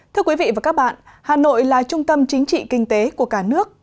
thưa quý vị và các bạn hà nội là trung tâm chính trị kinh tế của cả nước